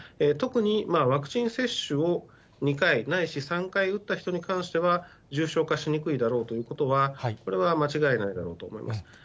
特にワクチン接種を２回、ないし３回打った人に関しては、重症化しにくいだろうということはこれは間違いないだろうと思います。